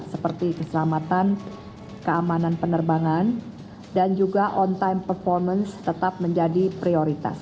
seperti keselamatan keamanan penerbangan dan juga on time performance tetap menjadi prioritas